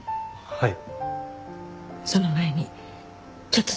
はい。